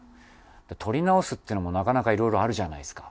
録り直すっていうのもなかなかいろいろあるじゃないですか。